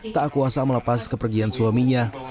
tak kuasa melepas kepergian suaminya